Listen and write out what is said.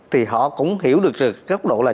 thì họ cũng hiểu được góc độ là